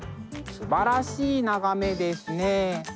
すばらしい眺めですね。